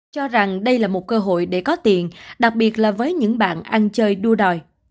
cho rằng đây là một cơ hội để có tiền đặc biệt là với những bạn ăn chơi đua đòi